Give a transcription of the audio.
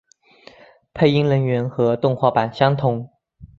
配音人员和动画版相同。